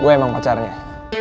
gue emang pacarnya